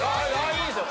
いいですよ！